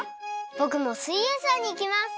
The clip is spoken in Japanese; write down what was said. ぼくも「すイエんサー」にいきます！